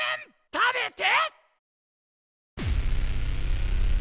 食べて！